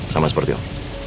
sama seperti om